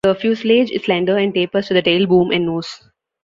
The fuselage is slender and tapers to the tail boom and nose.